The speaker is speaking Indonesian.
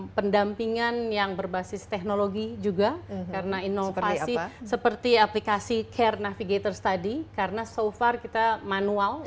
pendampingan yang berbasis teknologi juga karena inovasi seperti aplikasi care navigator study karena so far kita manual